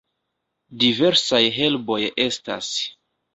Diversaj herboj estas.